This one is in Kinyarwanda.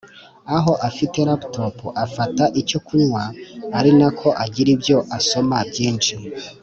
aho afite laptop afata icyo kunywa ari nako agira ibyo asoma byinshi